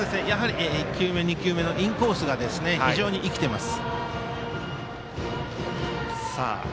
１球、２球目のインコースが非常に生きています。